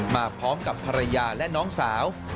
มาพร้อมกับภรรยาและน้องสาว